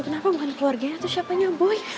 kenapa bukan keluarganya atau siapanya boy